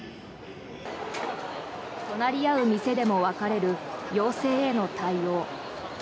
隣り合う店でも分かれる要請への対応。